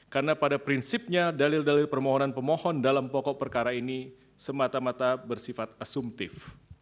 karena pada prinsipnya dalil dalil permohonan pemohon dalam pokok perkara ini semata mata bersifat asumtif